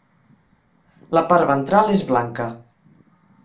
La part ventral és blanca.